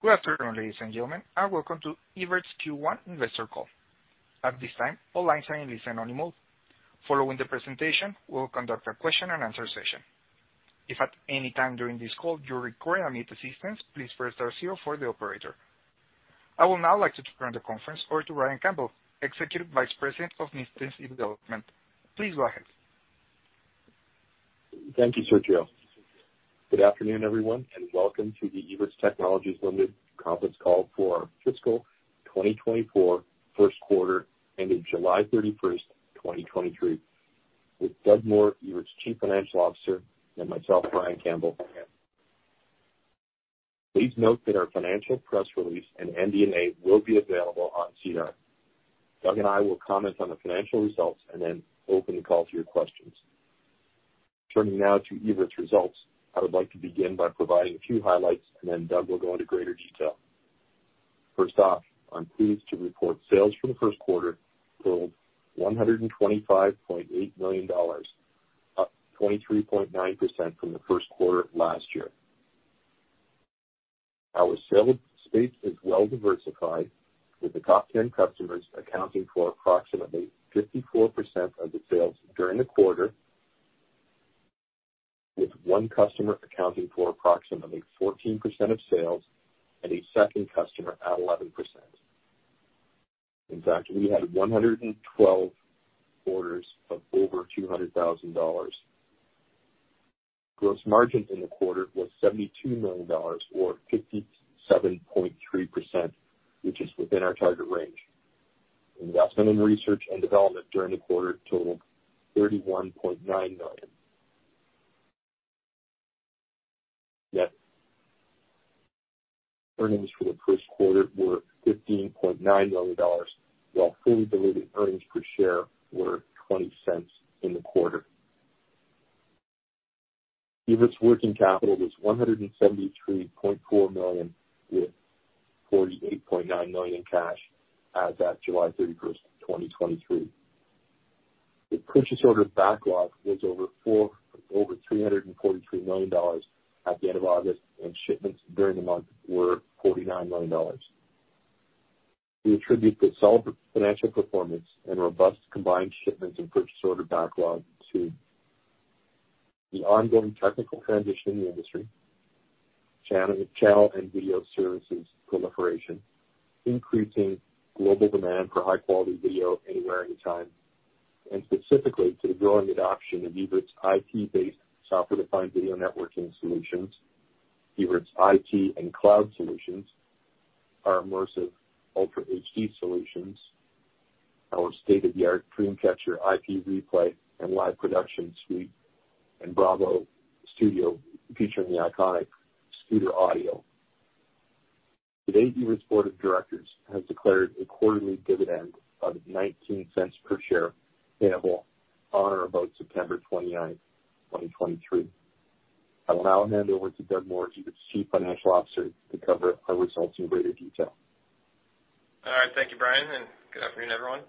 Good afternoon, ladies and gentlemen, and welcome to Evertz Q1 Investor Call. At this time, all lines are in listen-only mode. Following the presentation, we'll conduct a question and answer session. If at any time during this call you require any assistance, please press star zero for the operator. I will now like to turn the conference over to Brian Campbell, Executive Vice President of Business Development. Please go ahead. Thank you, Sergio. Good afternoon, everyone, and welcome to the Evertz Technologies Limited Conference Call for our Fiscal 2024 First Quarter Ending July 31st, 2023, with Doug Moore, Evertz Chief Financial Officer, and myself, Brian Campbell. Please note that our financial press release and MD&A will be available on SEDAR. Doug and I will comment on the financial results and then open the call to your questions. Turning now to Evertz results, I would like to begin by providing a few highlights and then Doug will go into greater detail. First off, I'm pleased to report sales for the first quarter totaled CAD 125.8 million, up 23.9% from the first quarter of last year. Our sales base is well diversified, with the top 10 customers accounting for approximately 54% of the sales during the quarter, with one customer accounting for approximately 14% of sales and a second customer at 11%. In fact, we had 112 orders of over 200,000 dollars. Gross margin in the quarter was 72 million dollars, or 57.3%, which is within our target range. Investment in research and development during the quarter totaled 31.9 million. Net earnings for the first quarter were 15.9 million dollars, while fully diluted earnings per share were 0.20 in the quarter. Evertz working capital was 173.4 million, with 48.9 million in cash as at July 31st, 2023. The purchase order backlog was over $343 million at the end of August, and shipments during the month were 49 million dollars. We attribute the solid financial performance and robust combined shipments and purchase order backlog to the ongoing technical transition in the industry, channel and video services proliferation, increasing global demand for high quality video anywhere, anytime, and specifically to the growing adoption of Evertz IP-based software-defined video networking solutions, Evertz IT and cloud solutions, our immersive Ultra HD solutions, our state-of-the-art DreamCatcher IP replay and live production suite, and BRAVO Studio, featuring the iconic Studer audio. Today, Evertz Board of Directors has declared a quarterly dividend of 0.19 per share, payable on or about September 29th, 2023. I will now hand over to Doug Moore, Evertz Chief Financial Officer, to cover our results in greater detail. All right, thank you, Brian, and good afternoon, everyone.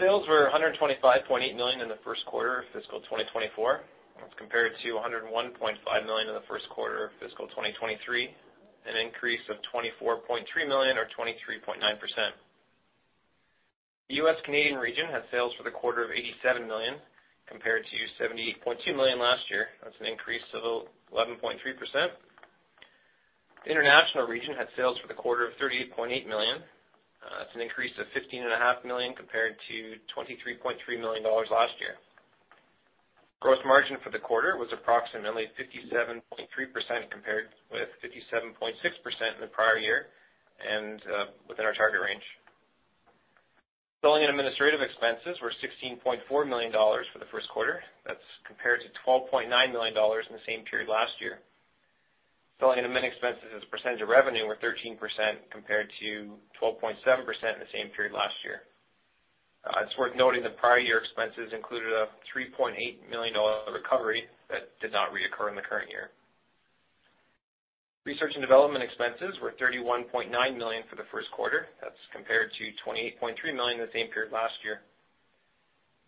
Sales were 125.8 million in the first quarter of fiscal 2024. That's compared to 101.5 million in the first quarter of fiscal 2023, an increase of 24.3 million or 23.9%. The U.S.-Canadian region had sales for the quarter of 87 million, compared to 78.2 m`illion last year. That's an increase of 11.3%. The international region had sales for the quarter of 38.8 million. That's an increase of 15.5 million compared to 23.3 million dollars last year. Gross margin for the quarter was approximately 57.3%, compared with 57.6% in the prior year, and within our target range. Selling and administrative expenses were 16.4 million dollars for the first quarter. That's compared to 12.9 million dollars in the same period last year. Selling and admin expenses as a percentage of revenue were 13%, compared to 12.7% in the same period last year. It's worth noting that prior year expenses included a 3.8 million dollar recovery that did not reoccur in the current year. Research and development expenses were 31.9 million for the first quarter. That's compared to 28.3 million in the same period last year.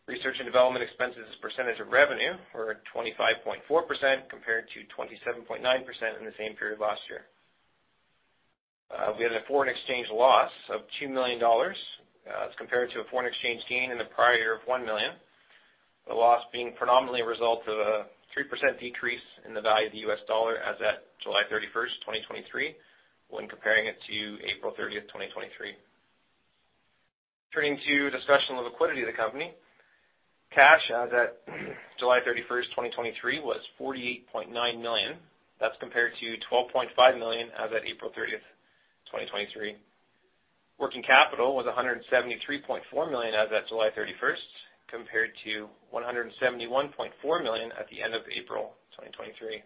Research and development expenses as a percentage of revenue were 25.4%, compared to 27.9% in the same period last year. We had a foreign exchange loss of 2 million dollars. That's compared to a foreign exchange gain in the prior year of 1 million. The loss being predominantly a result of a 3% decrease in the value of the U.S. dollar as at July 31st, 2023, when comparing it to April 30th, 2023. Turning to discussion of liquidity of the company. Cash as at July 31st, 2023, was 48.9 million. That's compared to 12.5 million as at April 30th, 2023. Working capital was 173.4 million as at July 31st, compared to 171.4 million at the end of April, 2023.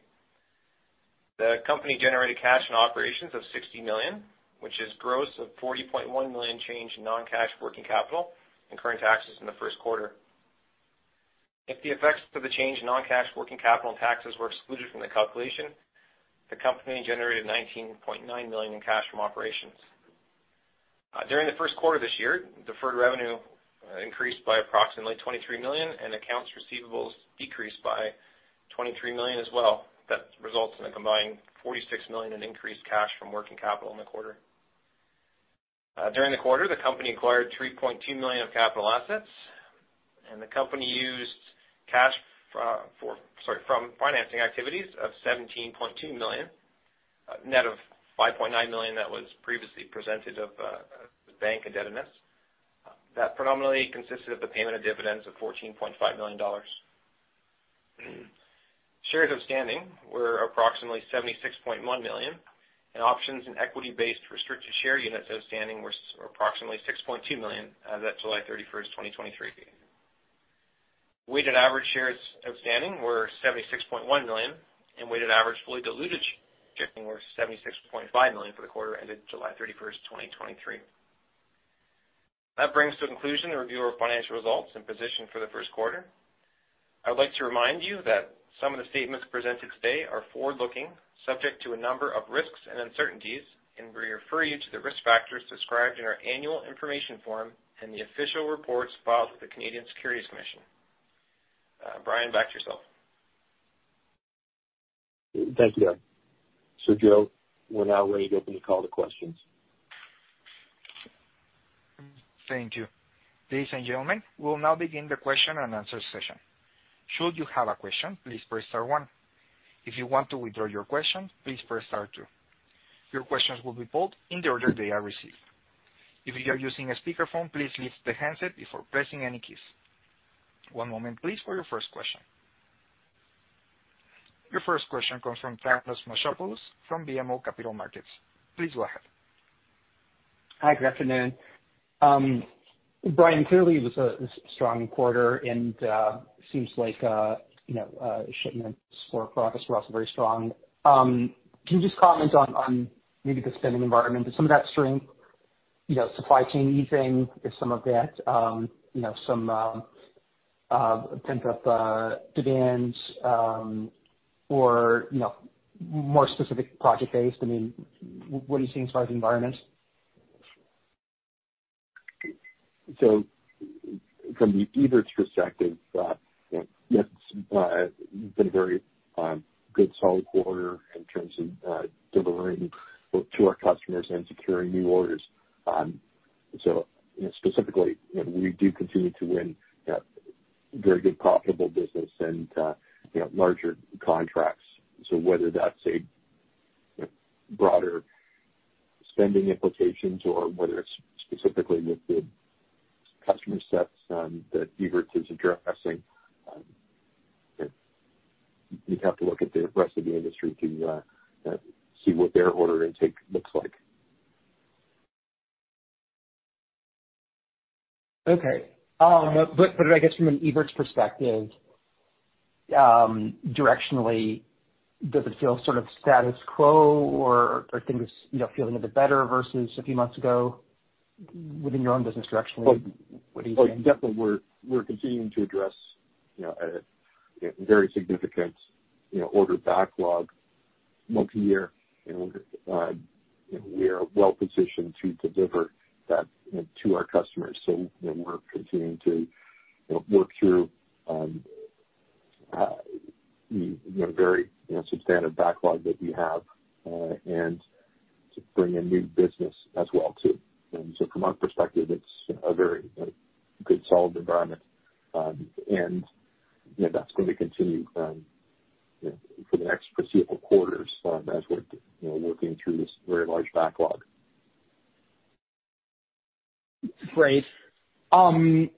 The company generated cash and operations of 60 million, which is gross of 40.1 million change in non-cash working capital and current taxes in the first quarter. If the effects of the change in non-cash working capital and taxes were excluded from the calculation, the company generated 19.9 million in cash from operations. During the first quarter of this year, deferred revenue increased by approximately 23 million, and accounts receivables decreased by 23 million as well. That results in a combined 46 million in increased cash from working capital in the quarter. During the quarter, the company acquired 3.2 million of capital assets, and the company used cash, for, sorry, from financing activities of 17.2 million, net of 5.9 million that was previously presented of the bank indebtedness. That predominantly consisted of the payment of dividends of 14.5 million dollars. Shares outstanding were approximately 76.1 million, and options and equity-based restricted share units outstanding were approximately 6.2 million, as at July 31st, 2023. Weighted average shares outstanding were 76.1 million, and weighted average fully diluted were 76.5 million for the quarter ended July 31st, 2023. That brings to conclusion the review of our financial results and position for the first quarter. I would like to remind you that some of the statements presented today are forward-looking, subject to a number of risks and uncertainties, and we refer you to the risk factors described in our annual information form and the official reports filed with the Canadian Securities Commission. Brian, back to yourself. Thank you. Sergio, we're now ready to open the call to questions. Thank you. Ladies and gentlemen, we'll now begin the question and answer session. Should you have a question, please press star one. If you want to withdraw your question, please press star two. Your questions will be pulled in the order they are received. If you are using a speakerphone, please lift the handset before pressing any keys. One moment, please, for your first question. Your first question comes from Thanos Moschopoulos from BMO Capital Markets. Please go ahead. Hi, good afternoon. Brian, clearly it was a strong quarter and seems like you know shipments for progress were also very strong. Can you just comment on maybe the spending environment? Is some of that strength you know supply chain easing? Is some of that you know some pent-up demands or you know more specific project-based? I mean, what are you seeing as far as the environment? So from the Evertz's perspective, you know, yes, it's been a very good solid quarter in terms of delivering to our customers and securing new orders. So specifically, you know, we do continue to win very good profitable business and, you know, larger contracts. So whether that's a broader spending implications or whether it's specifically with the customer sets that Evertz is addressing, you'd have to look at the rest of the industry to see what their order intake looks like. Okay. But I guess from an Evertz's perspective, directionally, does it feel sort of status quo or, are things, you know, feeling a bit better versus a few months ago, within your own business direction, what do you think? Well, definitely we're continuing to address, you know, a very significant, you know, order backlog multiyear, and we are well positioned to deliver that to our customers. So, you know, we're continuing to, you know, work through, you know, very, you know, substantive backlog that we have, and to bring in new business as well too. And so from our perspective, it's a very good solid environment. And, you know, that's going to continue, you know, for the next foreseeable quarters, as we're, you know, working through this very large backlog. Great. The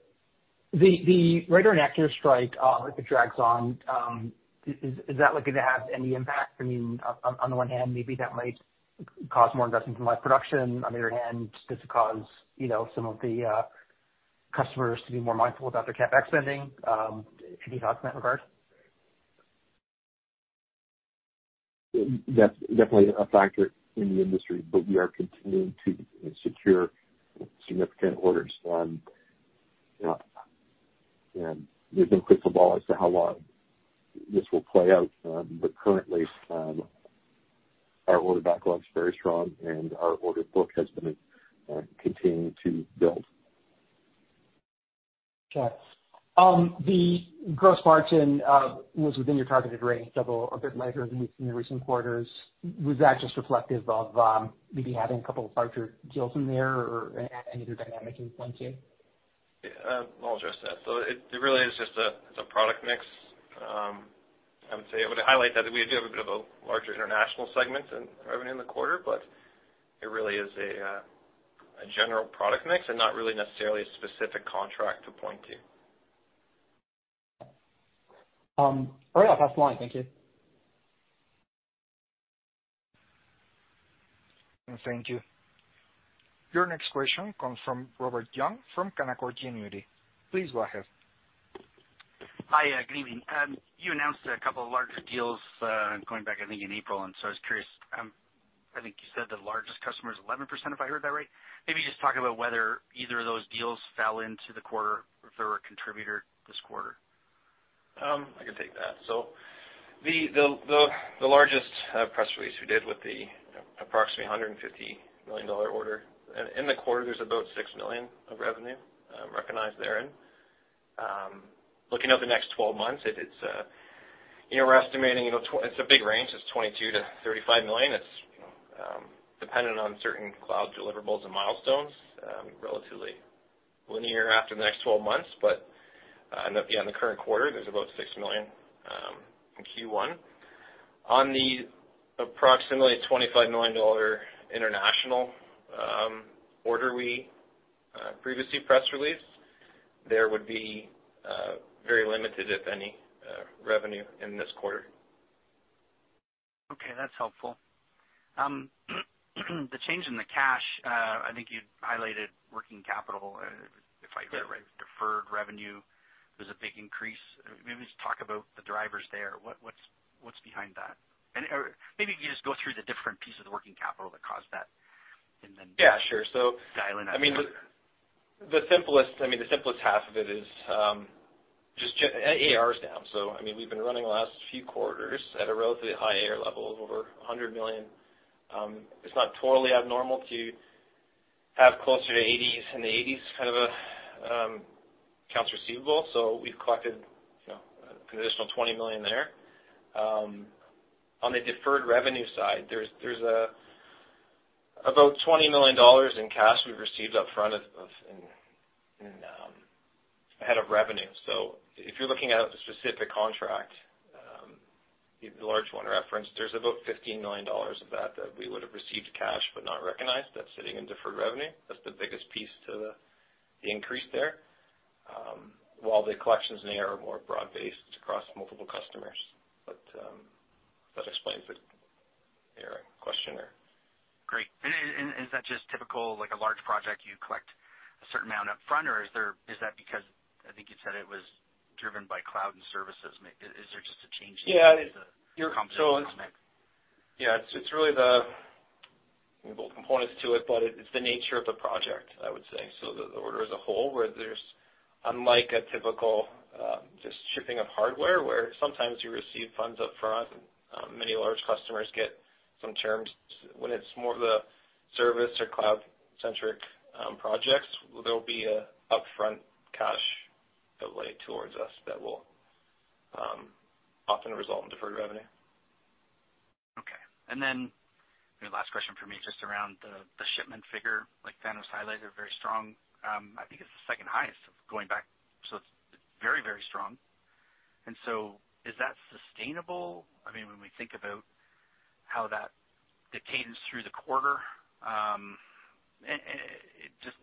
writer and actor strike, if it drags on, is that likely to have any impact? I mean, on the one hand, maybe that might cause more investment in less production. On the other hand, does it cause, you know, some of the customers to be more mindful about their CapEx spending? Any thoughts in that regard? That's definitely a factor in the industry, but we are continuing to secure significant orders. There's been crystal ball as to how long this will play out, but currently, our order backlog is very strong and our order book has been continuing to build. Okay. The gross margin was within your targeted range, double a bit larger than in the recent quarters. Was that just reflective of, maybe having a couple of larger deals in there or any other dynamics you point to? I'll address that. So it really is just a, it's a product mix. I would say, I would highlight that we do have a bit of a larger international segment in revenue in the quarter, but it really is a, a general product mix and not really necessarily a specific contract to point to. All right, I'll pass the line. Thank you. Thank you. Your next question comes from Robert Young, from Canaccord Genuity. Please go ahead. Hi, good evening. You announced a couple of larger deals, going back, I think, in April, and so I was curious. I think you said the largest customer is 11%, if I heard that right. Maybe just talk about whether either of those deals fell into the quarter? So the largest press release we did with the approximately $150 million order, in the quarter, there's about $6 million of revenue recognized therein. Looking at the next 12 months, it is, you know, we're estimating, you know, it's a big range, it's $22 million-$35 million. It's, you know, dependent on certain cloud deliverables and milestones, relatively linear after the next 12 months. But yeah, in the current quarter, there's about $6 million in Q1. On the approximately $25 million international order we previously press released, there would be very limited, if any, revenue in this quarter. Okay, that's helpful. The change in the cash, I think you highlighted working capital, if I heard right. Yeah. Deferred revenue was a big increase. Maybe just talk about the drivers there. What's behind that? Or maybe you can just go through the different pieces of working capital that caused that, and then- Yeah, sure. So- Detailing that. I mean, the simplest half of it is just AR is down. So, I mean, we've been running the last few quarters at a relatively high AR level of over 100 million. It's not totally abnormal to have closer to 80s, in the 80s, kind of a accounts receivable, so we've collected, you know, an additional 20 million there. On the deferred revenue side, there's about 20 million dollars in cash we've received upfront ahead of revenue. So if you're looking at a specific contract, the large one referenced, there's about 15 million dollars of that that we would have received cash but not recognized. That's sitting in deferred revenue. That's the biggest piece to the increase there. While the collections in there are more broad-based across multiple customers. That explains the AR question there. Great. And is that just typical, like a large project, you collect a certain amount up front, or is that because I think you said it was driven by cloud and services? Is there just a change in the composition? Yeah. So, yeah, it's really the, well, components to it, but it's the nature of the project, I would say. So the order as a whole, where there's unlike a typical just shipping of hardware, where sometimes you receive funds upfront, many large customers get some terms. When it's more the service or cloud-centric projects, there will be an upfront cash outlay towards us that will often result in deferred revenue. Okay. And then the last question for me, just around the shipment figure, like Doug highlighted, very strong. I think it's the second highest going back, so it's very, very strong. And so is that sustainable? I mean, when we think about how that cadence through the quarter, and just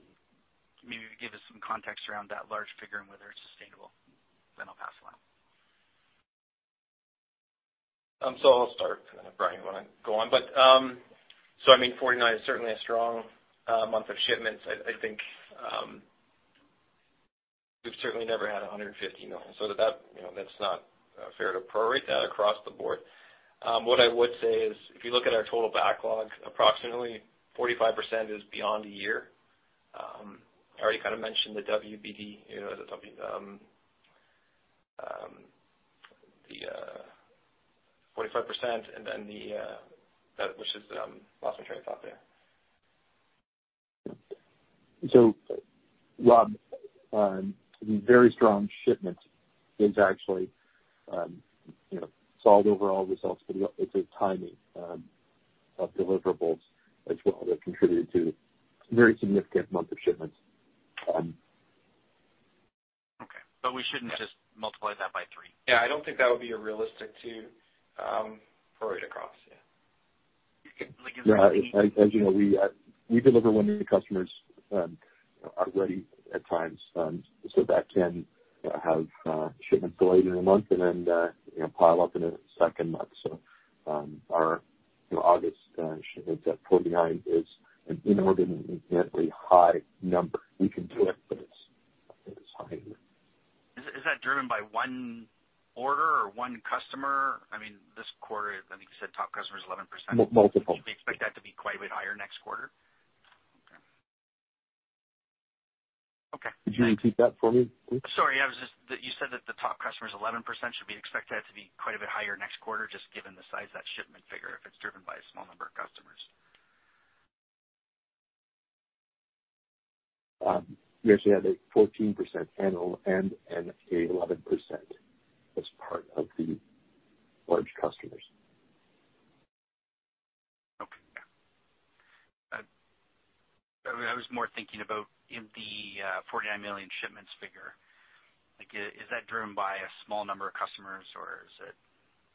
maybe give us some context around that large figure and whether it's sustainable, then I'll pass it on. So I'll start, Brian. You want to go on. But so I mean, 49 is certainly a strong month of shipments. I think we've certainly never had 150 million, so that you know that's not fair to prorate that across the board. What I would say is if you look at our total backlog, approximately 45% is beyond a year. I already kind of mentioned the WBD, you know, the 45%, and then that which is lost my train of thought there. So, Rob, very strong shipment is actually, you know, solid overall results for the year. It's a timing of deliverables as well, that contributed to very significant month of shipments. Okay, but we shouldn't just multiply that by three? Yeah, I don't think that would be a realistic to prorate across. Yeah. You can like- Yeah, as you know, we deliver when the customers are ready at times, so that can have shipments delayed in a month and then you know pile up in a second month. So, our you know August shipments at 49 is an inordinately high number. We can do it, but it's high. Is that driven by one order or one customer? I mean, this quarter, I think you said top customer is 11%. Multiple. We expect that to be quite a bit higher next quarter? Okay. Could you repeat that for me, please? Sorry, I was just... That you said that the top customer is 11%. Should we expect that to be quite a bit higher next quarter, just given the size of that shipment figure, if it's driven by a small number of customers? We actually had a 14% annual and a 11% as part of the large customers. Okay. I was more thinking about in the 49 million shipments figure. Like, is that driven by a small number of customers, or is it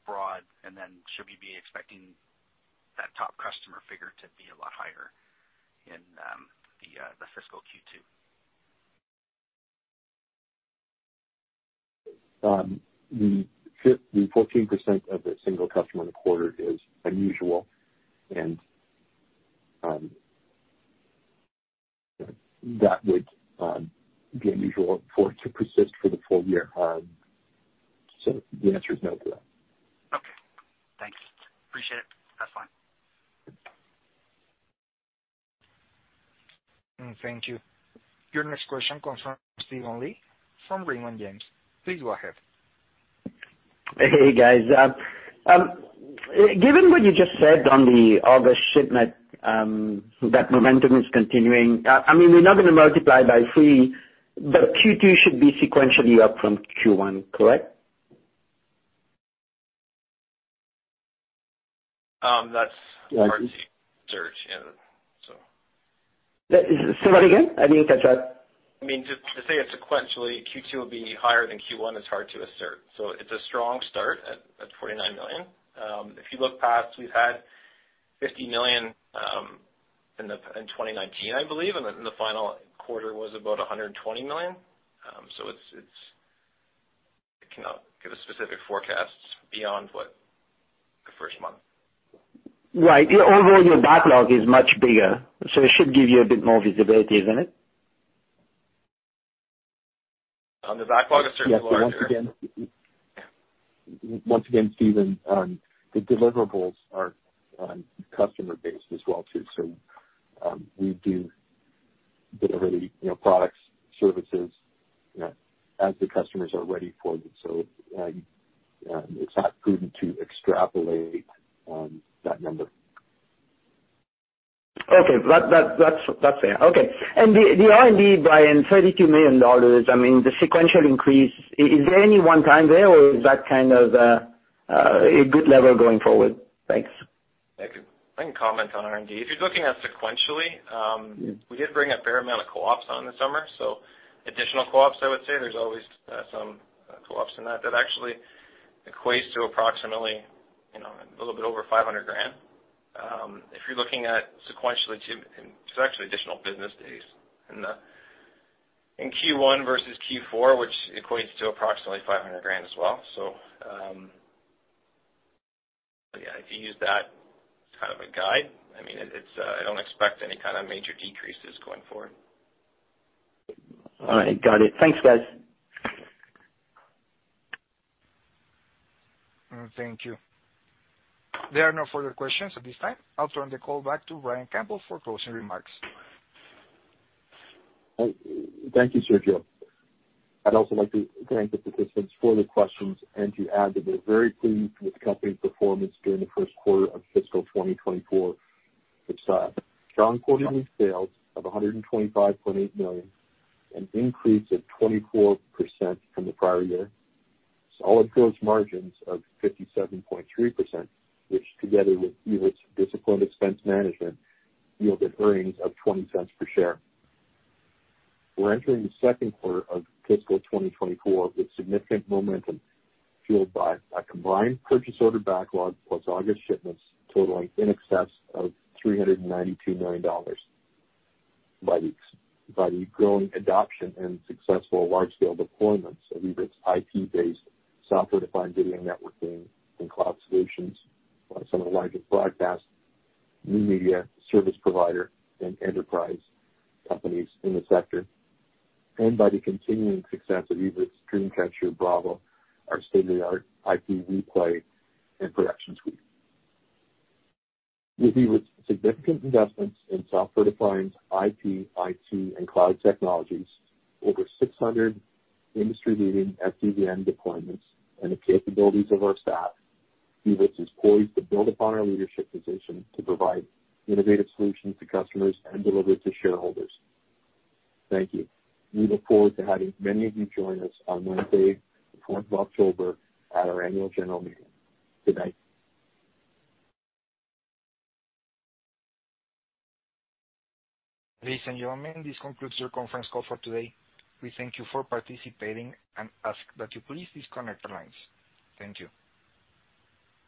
broad? And then, should we be expecting that top customer figure to be a lot higher in the fiscal Q2? The 14% of the single customer in the quarter is unusual, and that would be unusual for it to persist for the full year. So the answer is no to that. Thanks, appreciate it. Thank you. Your next question comes from Steven Lee from Raymond James. Please go ahead. Hey, guys. Given what you just said on the August shipment, that momentum is continuing. I mean, we're not going to multiply by three, but Q2 should be sequentially up from Q1, correct? That's hard to assert. Yeah, so. Say that again? I didn't catch that. I mean, to say it sequentially, Q2 will be higher than Q1 is hard to assert. So it's a strong start at 49 million. If you look past, we've had 50 million in 2019, I believe, and then the final quarter was about 120 million. So it's... I cannot give a specific forecast beyond what the first month. Right. Overall, your backlog is much bigger, so it should give you a bit more visibility, isn't it? The backlog is certainly larger. Yes, but once again, once again, Steven, the deliverables are customer based as well, too. So, we do delivery, you know, products, services, you know, as the customers are ready for them, so, it's not prudent to extrapolate that number. Okay. That's fair. Okay. And the R&D, Brian, 32 million dollars, I mean, the sequential increase, is there any one-time there, or is that kind of a good level going forward? Thanks. Thank you. I can comment on R&D. If you're looking at sequentially, we did bring a fair amount of co-ops on in the summer, so additional co-ops, I would say. There's always some co-ops in that. That actually equates to approximately, you know, a little bit over 500,000. If you're looking at sequentially to, it's actually additional business days in, in Q1 versus Q4, which equates to approximately 500,000 as well. So, yeah, if you use that as kind of a guide, I mean, it, it's, I don't expect any kind of major decreases going forward. All right. Got it. Thanks, guys. Thank you. There are no further questions at this time. I'll turn the call back to Brian Campbell for closing remarks. Thank you, Sergio. I'd also like to thank the participants for the questions and to add that we're very pleased with the company's performance during the first quarter of fiscal 2024, which saw strong quarterly sales of 125.8 million, an increase of 24% from the prior year. Solid gross margins of 57.3%, which together with disciplined expense management, yielded earnings of 0.20 per share. We're entering the second quarter of fiscal 2024 with significant momentum, fueled by a combined purchase order backlog, plus August shipments totaling in excess of 392 million dollars by the growing adoption and successful wide-scale deployments of Evertz's IP-based, software-defined video networking and cloud solutions by some of the largest broadcast, new media, service provider, and enterprise companies in the sector, and by the continuing success of Evertz DreamCatcher, BRAVO, our state-of-the-art IP replay and production suite. With Evertz's significant investments in software-defined IP, IT, and cloud technologies, over 600 industry-leading SDVN deployments, and the capabilities of our staff, Evertz is poised to build upon our leadership position to provide innovative solutions to customers and deliver to shareholders. Thank you. We look forward to having many of you join us on Wednesday, the 4th of October, at our annual general meeting. Good night. Ladies and gentlemen, this concludes your conference call for today. We thank you for participating and ask that you please disconnect your lines. Thank you.